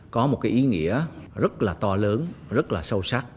có một cái ý nghĩa rất là to lớn rất là sâu sắc